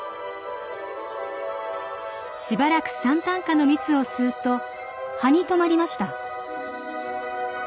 しばらくサンタンカの蜜を吸うと葉に止まりました。